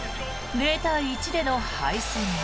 ０対１での敗戦に。